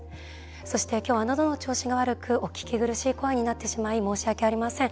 そして、今日はのどの調子が悪くお聞き苦しい声になってしまい申し訳ございません。